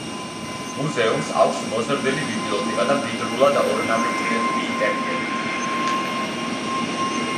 მუზეუმს აქვს მოზრდილი ბიბლიოთეკა და მდიდრულად ორნამენტირებული ინტერიერი.